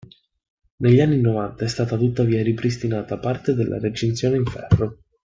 Negli anni novanta è stata tuttavia ripristinata parte della recinzione in ferro.